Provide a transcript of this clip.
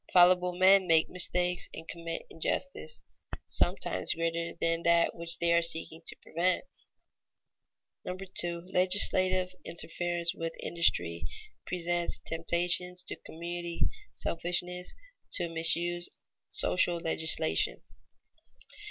Fallible men make mistakes and commit injustice, sometimes greater than that which they are seeking to prevent. [Sidenote: Local selfishness in industrial legislation] 2. _Legislative interference with industry presents temptations to community selfishness to misuse social legislation.